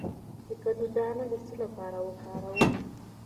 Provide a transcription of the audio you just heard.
د کدو دانه د څه لپاره وکاروم؟